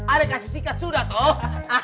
ada kasih sikat sudah toh